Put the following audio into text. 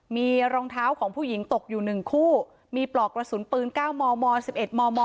มีรองเท้าของผู้หญิงตกอยู่๑คู่มีปลอกกระสุนปืน๙มม๑๑มม